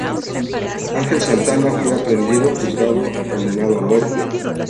Ángel Santa Anna fue aprehendido, juzgado y condenado a muerte.